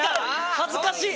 恥ずかしい。